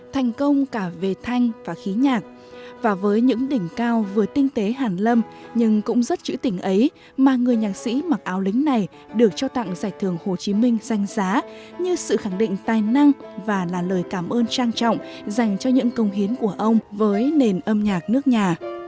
thành công cả về thanh và khí nhạc và với những đỉnh cao vừa tinh tế hàn lâm nhưng cũng rất trữ tình ấy mà người nhạc sĩ mặc áo lính này được cho tặng giải thưởng hồ chí minh danh giá như sự khẳng định tài năng và là lời cảm ơn trang trọng dành cho những công hiến của ông với nền âm nhạc nước nhà